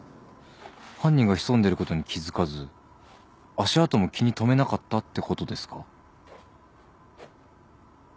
犯人が潜んでることに気付かず足跡も気に留めなかったってことですか？